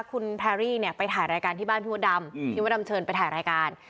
คุณแพรรี่เนี่ยไปถ่ายรายการที่บ้านพี่มดดำพี่มดดำเชิญไปถ่ายรายการ